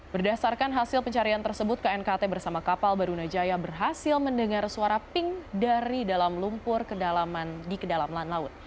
berdasarkan hasil pencarian tersebut knkt bersama kapal barunajaya berhasil mendengar suara pink dari dalam lumpur kedalaman di kedalaman laut